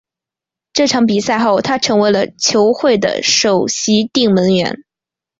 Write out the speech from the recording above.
这场比赛后他成为了球会的首席定门员。